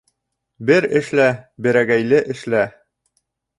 Бер эшлә, берәгәйле эшлә.